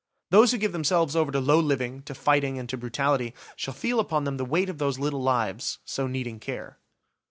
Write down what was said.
Those who give themselves over to low living, to fighting, and to brutality, shall feel upon them the weight of those little lives, so needing care.